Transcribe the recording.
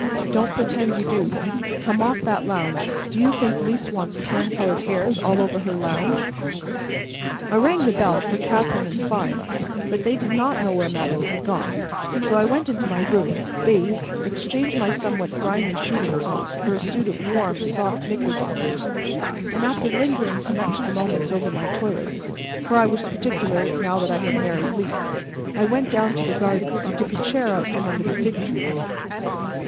Don't pretend you do. Come off that lounge! Do you think Lys wants tan colored hairs all over her lounge?" I rang the bell for Catherine and Fine, but they didn't know where "madame" had gone; so I went into my room, bathed, exchanged my somewhat grimy shooting clothes for a suit of warm, soft knickerbockers, and, after lingering some extra moments over my toilet for I was particular, now that I had married Lys I went down to the garden and took a chair out under the fig trees.